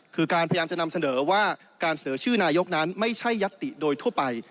คือการพยายามจะนำเสนอว่าการเสนอชื่อนายกนั้นไม่ใช่ยัตติโดยทั่วไป